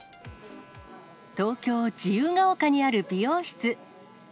東京・自由が丘にある美容室。